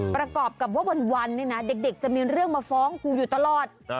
ประกอบกับว่าวันเนี่ยนะเด็กจะมีเรื่องมาฟ้องครูอยู่ตลอด